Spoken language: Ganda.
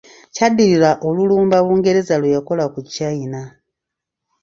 Kyaddirira olulumba Bungereza lwe yakola ku China.